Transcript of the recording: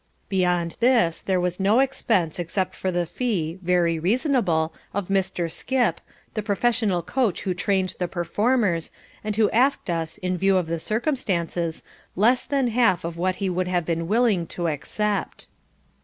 Beyond this there was no expense except for the fee, very reasonable, of Mr. Skip, the professional coach who trained the performers, and who asked us, in view of the circumstances, less than half of what he would have been willing to accept.